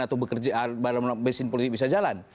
atau bekerja dalam mesin politik bisa jalan